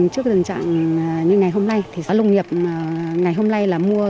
trước tình trạng như ngày hôm nay thì giá nông nghiệp ngày hôm nay là mua